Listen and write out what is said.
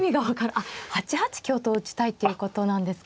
あっ８八香と打ちたいっていうことなんですか。